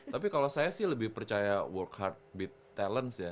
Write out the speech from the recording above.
tapi kalau saya sih lebih percaya work hard beat talent ya